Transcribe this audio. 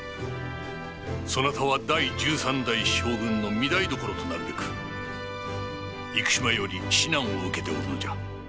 そなたは第１３代将軍の御台所となるべく幾島より指南を受けておるのじゃ。